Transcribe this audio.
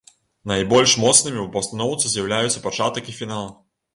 Найбольш моцнымі ў пастаноўцы з'яўляюцца пачатак і фінал.